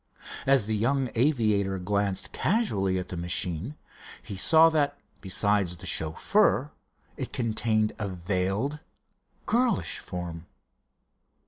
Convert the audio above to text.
As the young aviator glanced casually at the machine, he saw that besides the chauffeur it contained a veiled, girlish form.